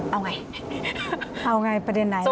เอาอย่างไรประเด็นไหนครับ